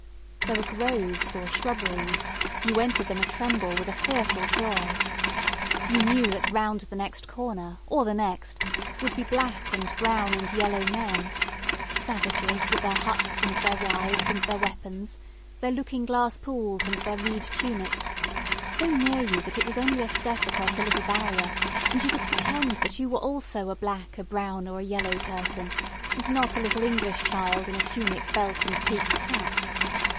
There were groves or shrubberies; you entered them a tremble with a fearful joy. You knew that round the next corner or the next would be black and brown and yellow men; savages, with their huts and their wives and their weapons, their looking glass pools and their reed tunics, so near you that it was only a step across a little barrier and you could pretend that you also were a black, a brown, or a yellow person, and not a little English child in a tunic, belt, and peaked cap.